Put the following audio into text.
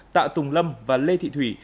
tạ tùng lâm và lê thị thủy